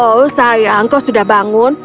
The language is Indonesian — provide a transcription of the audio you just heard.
oh sayang kok sudah bangun